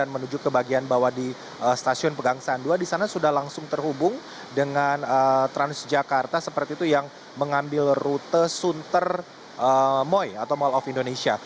menuju ke bagian bawah di stasiun pegang sandua di sana sudah langsung terhubung dengan transjakarta seperti itu yang mengambil rute sunter moi atau mall of indonesia